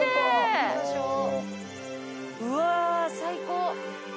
うわ最高。